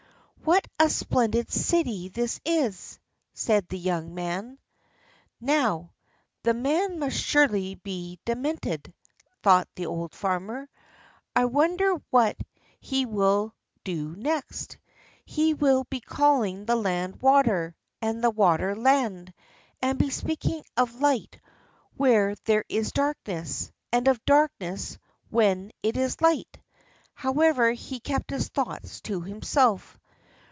"What a splendid city this is!" said the young man. "Now, the man must surely be demented!" thought the old farmer. "I wonder what he will do next? He will be calling the land water, and the water land; and be speaking of light where there is darkness, and of darkness when it is light." However, he kept his thoughts to himself.